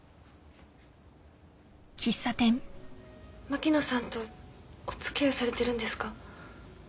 牧野さんとお付き合いされてるんですか？